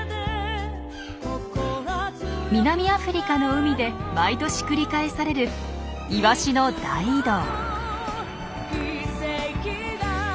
南アフリカの海で毎年繰り返されるイワシの大移動。